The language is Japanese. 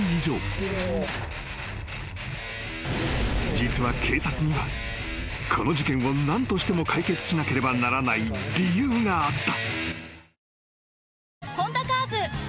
［実は警察にはこの事件を何としても解決しなければならない理由があった］